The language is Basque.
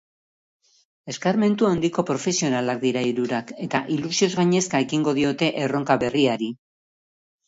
Eskarmentu handiko profesionalak dira hirurak, eta ilusioz gainezka ekingo diote erronka berriari.